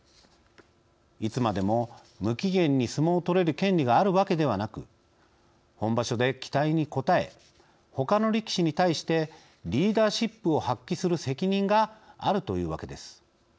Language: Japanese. いつまでも無期限に相撲をとれる権利があるわけではなく本場所で期待に応えほかの力士に対してリーダーシップを発揮する責任があるというわけです。